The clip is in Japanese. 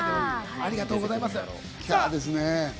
ありがとうございます。